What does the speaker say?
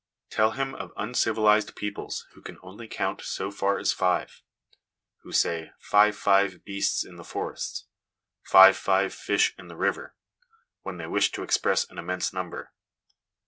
Tell him of uncivilised peoples who can only count so far as five who say * five five beasts in the forest/ * five five fish in the river/ when they wish to express an immense number.